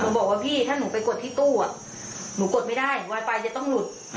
หนูบอกว่าพี่ถ้าหนูไปกดที่ตู้อ่ะหนูกดไม่ได้ไวไฟจะต้องหลุดอืม